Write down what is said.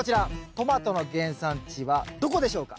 トマトの原産地はどこでしょうか？